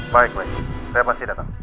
baik saya pasti datang